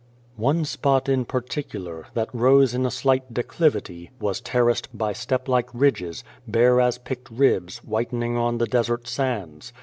One spot in particular, that rose in a slight declivity, was terraced by step like ridges, bare as picked ribs, whitening on the desert sands.